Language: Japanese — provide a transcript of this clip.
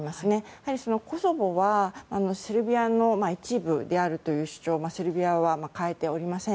やはりコソボは、セルビアの一部であるという主張をセルビアは変えておりません。